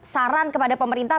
saran kepada pemerintah